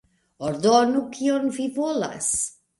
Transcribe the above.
Ordonu, kion vi volas!